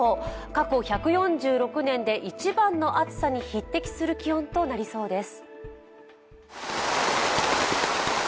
過去１４６年で一番の暑さに匹敵する気温となりそうです。